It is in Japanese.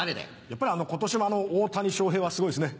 やっぱり今年も大谷翔平はすごいですね。